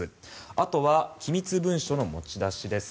あとは機密文書の持ち出しです。